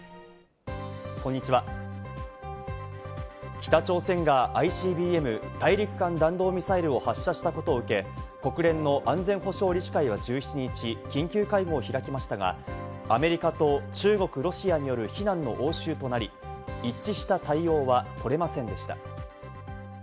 北朝鮮がＩＣＢＭ＝大陸間弾道ミサイルを発射したことをうけ、国連の安全保障理事会は１７日、緊急会合を開きましたが、アメリカと中国・ロシアによる非難の応酬となり、一致した対応は取れませんでした。